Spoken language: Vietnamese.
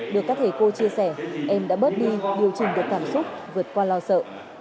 được các thầy cô chia sẻ em đã bớt đi điều chỉnh được cảm xúc vượt qua lo sợ